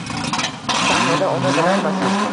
Sahnada “Ona” dramasi